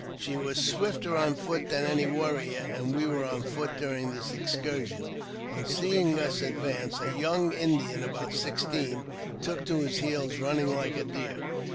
She wag swifter on foot than any warrior, and we were on foot during this excursion. On seeing us advance, a young Indian about sixteen, took to his heels, running like a deer.